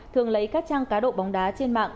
thường lấy các trang cá độ bóng đá trên mạng